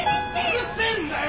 うるせえんだよ！